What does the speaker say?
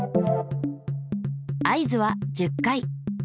合図は１０回。